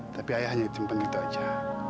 tapi ayah hanya simpan gitu aja